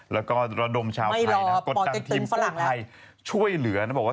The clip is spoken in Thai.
และระดมชาวใทกดทางทีมตัวใส่